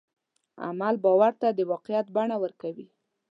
عمل باور ته د واقعیت بڼه ورکوي.